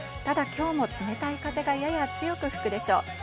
ただ今日も冷たい風がやや強く吹くでしょう。